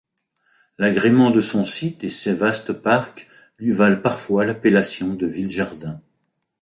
L'agrément de son site et ses vastes parcs lui valent parfois l'appellation de ville-jardin.